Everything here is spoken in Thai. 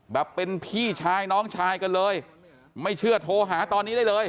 แบบเป็นพี่ชายน้องชายกันเลยไม่เชื่อโทรหาตอนนี้ได้เลย